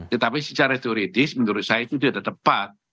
tetapi secara teoritis menurut saya itu tidak tepat